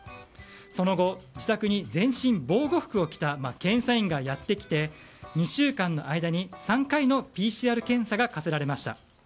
その後、自宅に全身防護服を着た検査院がやってきて２週間の間に３回のＰＣＲ検査が課せられました。